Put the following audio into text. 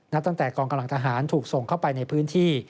ตั้งแต่กองกำลังทหารถูกส่งเข้าไปในพื้นที่